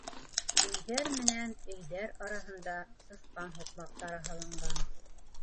Өйҙәр менән өйҙәр араһында «сысҡан һуҡмаҡтары» һалынған.